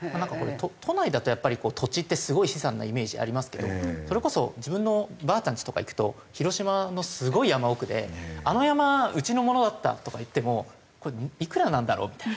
都内だとやっぱり土地ってすごい資産なイメージありますけどそれこそ自分のばあちゃんちとか行くと広島のすごい山奥であの山うちのものだったとか言ってもこれいくらなんだろう？みたいな。